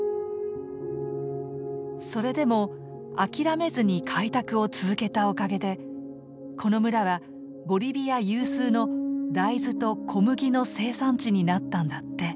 それでも諦めずに開拓を続けたおかげでこの村はボリビア有数の大豆と小麦の生産地になったんだって。